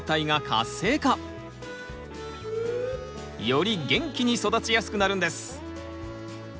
より元気に育ちやすくなるんです。